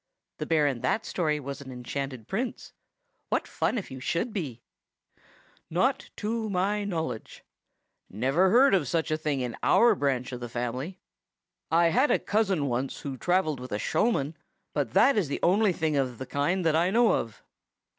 The bear in that story was an enchanted prince. What fun if you should be!" "Not to my knowledge," replied the bear, shaking his head. "Not—to—my—knowledge. Never heard of such a thing in our branch of the family. I had a cousin once who travelled with a showman, but that is the only thing of the kind that I know of."